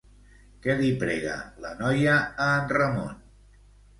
Què li prega, la noia, a en Ramon?